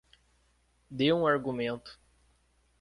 Dê um argumento